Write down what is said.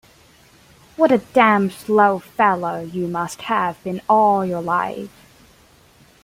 What a damn slow fellow you must have been all your life!